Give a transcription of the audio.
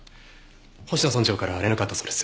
星野村長から連絡あったそうです。